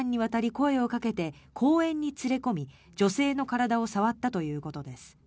声をかけて公園に連れ込み女性の体を触ったということです。